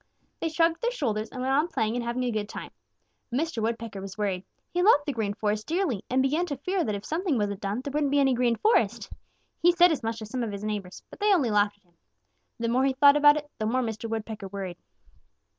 They shrugged their shoulders and went on playing and having a good time. But Mr. Woodpecker was worried. He loved the Green Forest dearly, and he began to fear that if something wasn't done, there wouldn't be any Green Forest. He said as much to some of his neighbors, but they only laughed at him. The more he thought about it, the more Mr. Woodpecker worried.